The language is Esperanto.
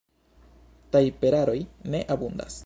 Tajperaroj ne abundas.